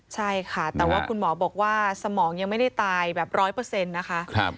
ใช่ค่ะแต่ว่าคุณหมอบอกว่าสมองยังไม่ได้ตายแบบร้อยเปอร์เซ็นต์นะคะ